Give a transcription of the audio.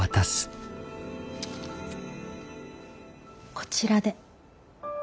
こちらで。